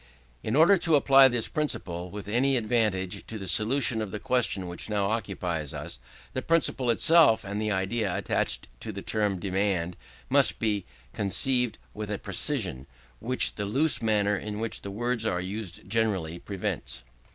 In order to apply this principle, with any advantage, to the solution of the question which now occupies us, the principle itself, and the idea attached to the term demand, must be conceived with a precision, which the loose manner in which the words are used generally prevents.